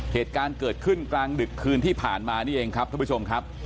เหตุการณ์เกิดขึ้นกลางดึกคืนที่ผ่านมานี่เองครับท่านผู้ชมครับ